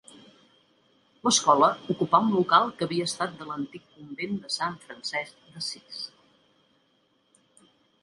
L'Escola ocupà un local que havia estat de l'antic Convent de Sant Francesc d'Assís.